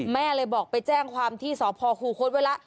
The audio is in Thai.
แม่เลยบอกไปแจ้งความที่สพคูคศไว้แล้ว